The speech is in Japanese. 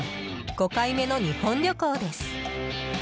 ５回目の日本旅行です。